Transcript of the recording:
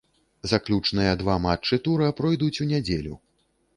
Заключныя два матчы тура пройдуць у нядзелю.